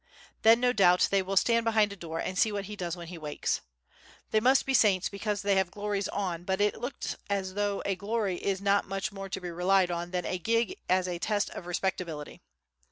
Then, no doubt, they will stand behind the door and see what he does when he wakes. They must be saints because they have glories on, but it looks as though a glory is not much more to be relied on than a gig as a test of respectability.